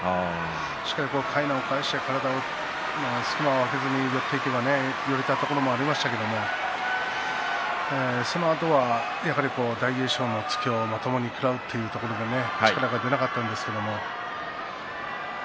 しっかりとかいなを返して体の隙間を空けずにやっていければ、寄れたところもありましたけれどもそのあとは、やはり大栄翔の突きをまともに食らっているので力が出なかったんですけれども。